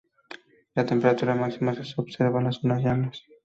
La temperatura máxima se observa en las zonas llanas.